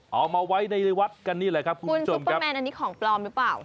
เอามาไว้ในวัดกันนี่แหละครับคุณผู้ชมครับแมนอันนี้ของปลอมหรือเปล่า